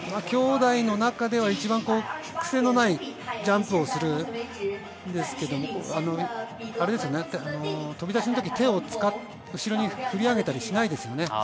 兄弟の中では一番クセのないジャンプをするんですけれども、飛び出しの時、手を使って後ろに振り上げたりしないですよね。